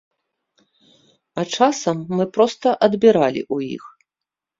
А часам мы проста адбіралі ў іх.